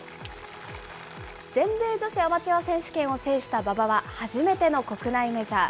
全米女子アマチュア選手権を制した馬場は、初めての国内メジャー。